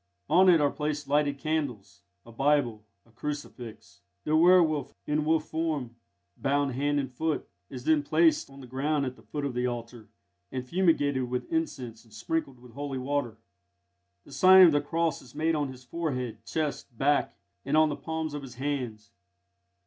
On it are placed lighted candles, a Bible, a crucifix. The werwolf, in wolf form, bound hand and foot, is then placed on the ground at the foot of the altar, and fumigated with incense and sprinkled with holy water. The sign of the cross is made on his forehead, chest, back, and on the palms of his hands.